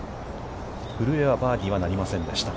古江はバーディーはなりませんでした。